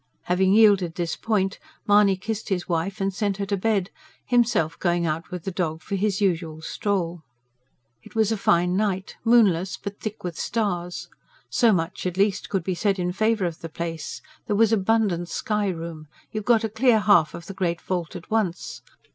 Having yielded this point Mahony kissed his wife and sent her to bed, himself going out with the dog for his usual stroll. It was a fine night moonless, but thick with stars. So much, at least, could be said in favour of the place: there was abundant sky room; you got a clear half of the great vault at once.